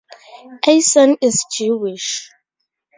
Eisen is Jewish.